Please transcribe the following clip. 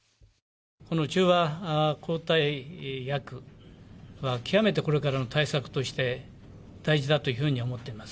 この中和抗体薬は、極めてこれからの対策として大事だというふうに思ってます。